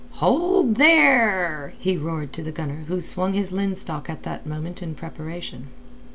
"Hold there!" he roared to the gunner who swung his linstock at that moment in preparation.